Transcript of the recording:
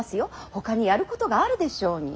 ほかにやることがあるでしょうに。